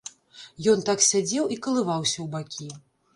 Ён так сядзеў і калываўся ў бакі.